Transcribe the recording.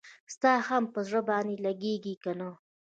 ستا هم پر زړه باندي لګیږي کنه؟